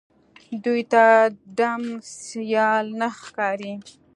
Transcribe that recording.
دوی ته ډم سيال نه ښکاري